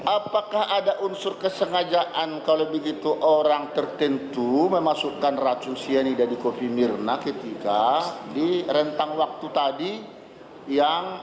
apakah ada unsur kesengajaan kalau begitu orang tertentu memasukkan racun siani dari kopi mirna ketika di rentang waktu tadi yang enam belas tiga puluh atau enam belas empat puluh lima itu